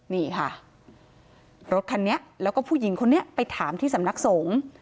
นี่ค่ะรถคันนี้แล้วก็ผู้หญิงคนนี้ไปถามที่สำนักสงฆ์